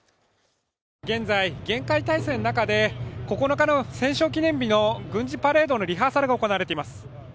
現在厳戒態勢の中で９日の戦勝記念日の軍事パレードのリハーサルが行われています。